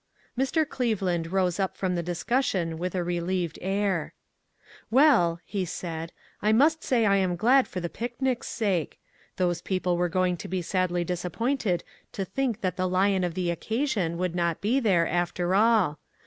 Mr. Cleveland rose up from the discussion with a relieved air: "Well," he said, "I must say I am glad for the picnic's sake ; those people were going to be sadly disappointed to think that the lion of the occasion would not be there, after all.